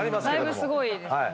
だいぶすごいですよ。